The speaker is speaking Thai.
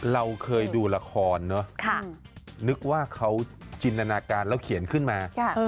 เราเคยดูละครเนอะนึกว่าเขาจินตนาการแล้วเขียนขึ้นมา